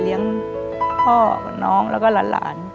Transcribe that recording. เลี้ยงพ่อกับน้องแล้วก็หลาน